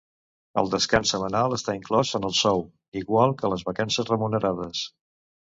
El descans setmanal està inclòs en el sou, igual que les vacances remunerades.